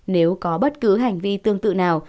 nếu có bất cứ hành vi tương tự nào